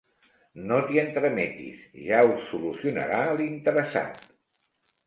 No t'hi entremetis, ja ho solucionarà l'interessat.